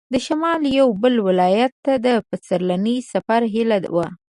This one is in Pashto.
د شمال یوه بل ولایت ته د پسرلني سفر هیله وه.